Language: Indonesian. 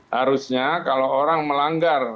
harusnya kalau orang melanggar